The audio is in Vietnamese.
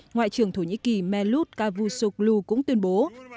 ngoại trưởng thổ nhĩ kỳ melut cavusoglu cũng tuyên bố